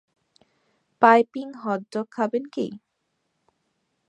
Piping hot dog খাবেন কি?